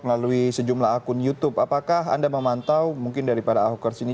melalui sejumlah akun youtube apakah anda memantau mungkin daripada ahokers ini